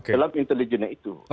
dalam intelijennya itu